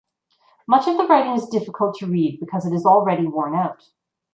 Much of the writing is difficult to read because it is already worn out.